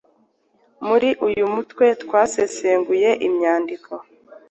Muri uyu mutwe twasesenguye imyandiko